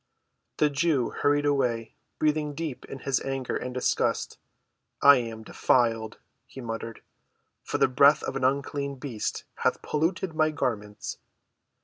The Jew hurried away, breathing deep in his anger and disgust. "I am defiled," he muttered, "for the breath of an unclean beast hath polluted my garments."